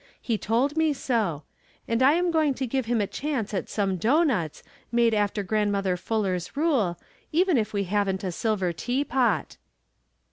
He told me so ; and I am going to give him a chance at some douglmuts, made after Grandmother Ful ler's rule, even if we haven't a silver tea pot."